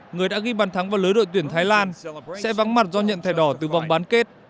người đã ghi bàn thắng vào lưới đội tuyển thái lan sẽ vắng mặt do nhận thẻ đỏ từ vòng bán kết